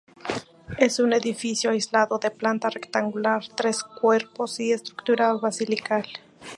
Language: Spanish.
Es un edificio aislado de planta rectangular, tres cuerpos y estructura basilical.